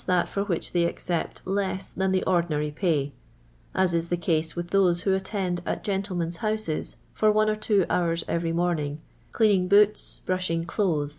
335 that for which they accept Ins than the ordinary pay, as is the case with those who attend at gentlemen's houses for one or two hours every mornini^, cleaning boots, brushing clothes, &c.